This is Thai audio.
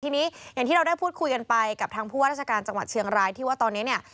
ทีนี้อย่างที่เราได้พูดคุยกันไปกับทางผู้ว่าราชการจังหวัดเชียงรายที่ว่าตอนนี้เนี่ย